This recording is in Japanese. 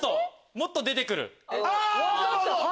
もっと出てくる。